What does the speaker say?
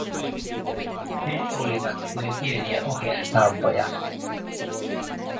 Ne olivat kuin pieniä ohjainsauvoja.